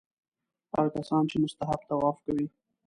هغه کسان چې مستحب طواف کوي.